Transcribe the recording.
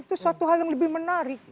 itu suatu hal yang lebih menarik